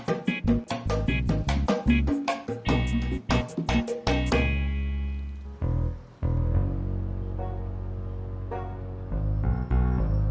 aku mau ke tempat yang lebih baik